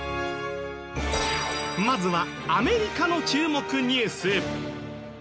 まずはアメリカの注目ニュース。